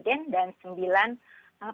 oke pertama apa yang kemudian dikita kita